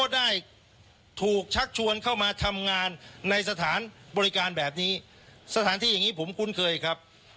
ได้ถูกชักชวนเข้ามาทำงานในสถานบริการแบบนี้สถานที่อย่างนี้ผมคุ้นเคยครับ